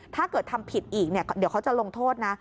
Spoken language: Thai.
ถ้าเกิดทำผิดอีกเดี๋ยวเขาจะลงโทษนะ